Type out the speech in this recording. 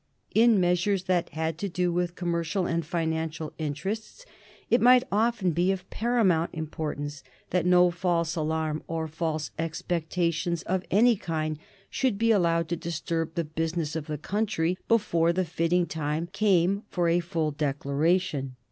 In measures that had to do with commercial and financial interests it might often be of paramount importance that no false alarm or false expectations of any kind should be allowed to disturb the business of the country before the fitting time came for a full declaration.